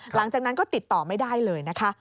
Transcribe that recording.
หลังจากนั้นก็ติดต่อไม่ได้เลยนะคะ